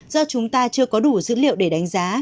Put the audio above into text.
do chúng ta chưa có đủ dữ liệu để đánh giá